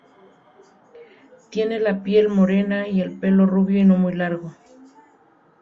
Tiene la piel morena y el pelo rubio y no muy largo.